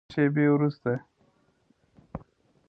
له دې شیبې وروسته